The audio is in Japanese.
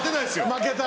負けた。